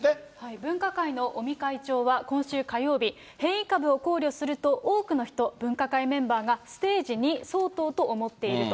分科会の尾身会長は今週火曜日、変異株を考慮すると、多くの人、分科会メンバーがステージ２相当と思っていると。